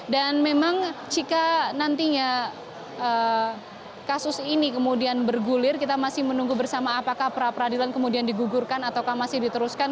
dan memang jika nantinya kasus ini kemudian bergulir kita masih menunggu bersama apakah peradilan kemudian digugurkan atau masih diteruskan